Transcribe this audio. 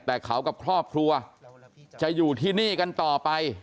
แต่เขากับครอบครัวจะอยู่ที่นี่กันต่อไป